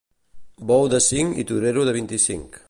Bou de cinc i torero de vint-i-cinc.